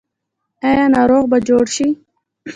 آیا ناروغ به جوړ شي؟